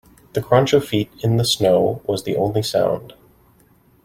The crunch of feet in the snow was the only sound.